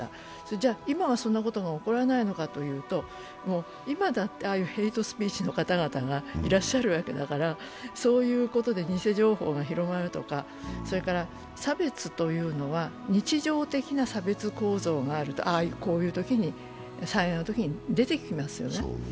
じゃあ、今はそんなことが起こらないのかというと、今だってああいうヘイトスピーチの方々がいらっしゃるわけだからそういうことで偽情報が広がるとか、それから、差別というのは日常的な差別構造があるとこういうとき、災害のときに出てきますよね。